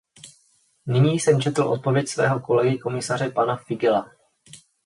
Nyní jsem četl odpověď svého kolegy komisaře pana Figeľa.